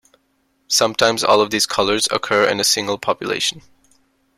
Sometimes all of these colors occur in a single population.